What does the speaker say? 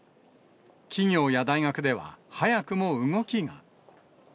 企業や大学では早くも動きが。